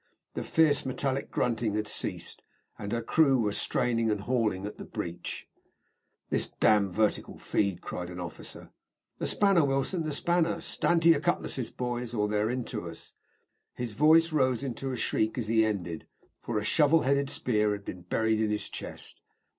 The fierce metallic grunting had ceased, and her crew were straining and hauling at the breech. "This damned vertical feed!" cried an officer. "The spanner, Wilson! the spanner! Stand to your cutlasses, boys, or they're into us." His voice rose into a shriek as he ended, for a shovel headed spear had been buried in his chest.